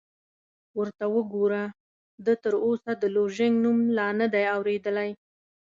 ورته وګوره، ده تراوسه د لوژینګ نوم لا نه دی اورېدلی!